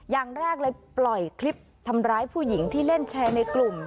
อย่างแรกเลยปล่อยคลิปทำร้ายผู้หญิงที่เล่นแชร์ในกลุ่ม